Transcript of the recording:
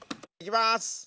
いきます！